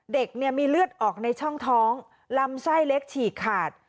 เด็กเนี่ยมีเลือดออกในช่องท้องลำไส้เล็กฉีกขาด